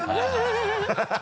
ハハハ